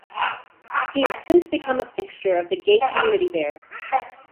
He has since become a fixture of the gay community there.